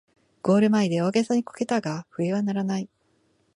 ゴール前で大げさにこけたが笛は鳴らない